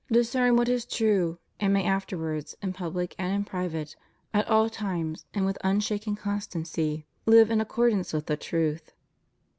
163 discern what is true, and may afterwards, in public and in private, at all times and with unshaken constancy, live in accordance with the truth.